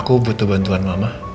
aku butuh bantuan gak mawa